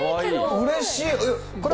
うれしい。